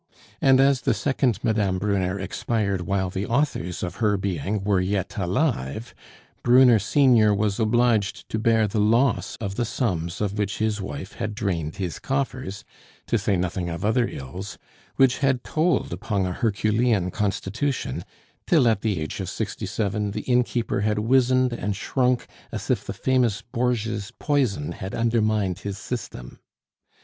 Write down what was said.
And as the second Mme. Brunner expired while the authors of her being were yet alive, Brunner senior was obliged to bear the loss of the sums of which his wife had drained his coffers, to say nothing of other ills, which had told upon a Herculean constitution, till at the age of sixty seven the innkeeper had wizened and shrunk as if the famous Borgia's poison had undermined his system.